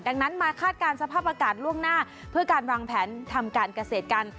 ดังนั้นมาคาดการณ์สภาพอากาศล่วงหน้าเพื่อการวางแผนทำการเกษตรกัน